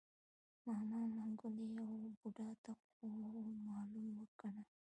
ماما منګلی او بوډا ته خومالوم و کنه.